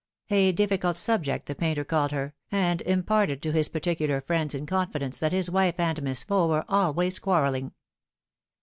A difficult subject the painter called her, and imparted to his particular friends in confidence that his wife and Miss Faux were always quarrelling.